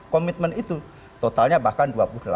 komitmen itu totalnya bahkan